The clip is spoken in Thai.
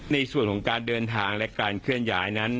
ในส่วนของการเดินทางและการเคลื่อนย้ายนั้น